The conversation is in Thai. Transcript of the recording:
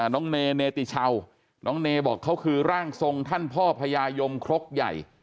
น้องเนติชาวน้องเนบอกเขาคือร่างทรงท่านพ่อพญายมครกใหญ่